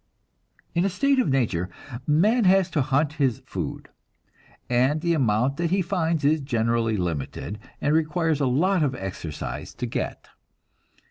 In a state of nature man has to hunt his food, and the amount that he finds is generally limited, and requires a lot of exercise to get.